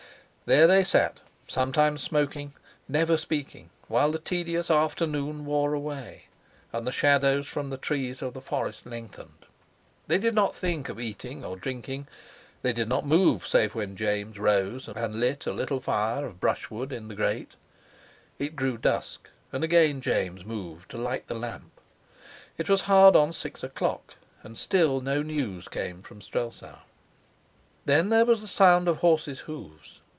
There they sat, sometimes smoking, never speaking, while the tedious afternoon wore away, and the shadows from the trees of the forest lengthened. They did not think of eating or drinking; they did not move, save when James rose and lit a little fire of brushwood in the grate. It grew dusk and again James moved to light the lamp. It was hard on six o'clock, and still no news came from Strelsau. Then there was the sound of a horse's hoofs.